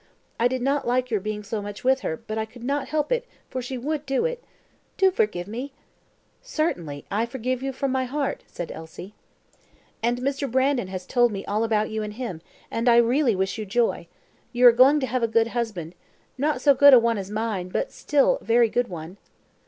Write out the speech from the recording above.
I did not like your being so much with her, but I could not help it, for she would do it. Do forgive me." "Certainly, I forgive you from my heart," said Elsie. "And Mr. Brandon has told me all about you and him, and I really wish you joy. You are going to have a good husband not so good a one as mine, but still a very good one."